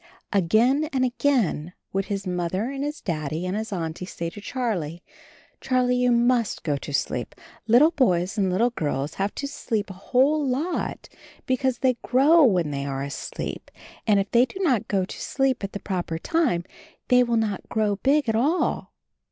Again and again would his Mother and his Daddy and his Auntie say to Charlie, "Charlie, you must go to sleep. Little boys and little girls have to sleep a whole lot, be cause they grow when they are asleep, and if they do not go to sleep at the proper time they will not grow big at all."